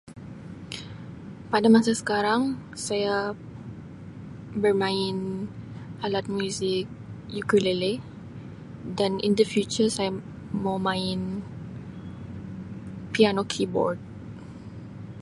Pada masa sekarang saya bermain alat muzik ukelele dan in the future saya mau main piana keyboard.